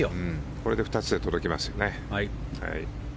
これで２つで届きましたね。